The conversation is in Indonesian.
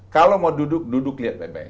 kalau mau duduk duduk lihat memang